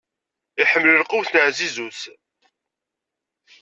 Iḥemmel lqut n ɛzizu-s.